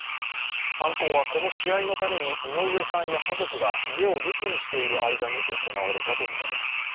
犯行はこの試合のために、井上さんや家族が家を留守にしている間に行われたとみられます。